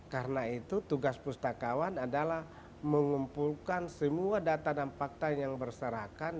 karena itu tugas pustakawan adalah mengumpulkan semua data dan fakta yang berserahkan